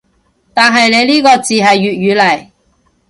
但係你呢個字係粵語嚟